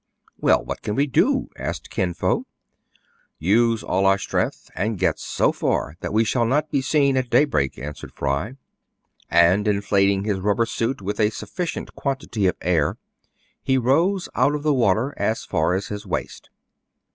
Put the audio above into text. " Well, what can we do }" asked Kin Fo. " Use all our strength, and get so far that we shall not be seen at daybreak," answered Fry. DOES NOT FINISH WELL FOR CAPT, YIN 219 And, inflating his rubber suit with a sufficient quantity of air, he rose out of the water as far as his waist.